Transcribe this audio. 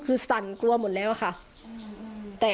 คือสั่นกลัวหมดแล้วค่ะ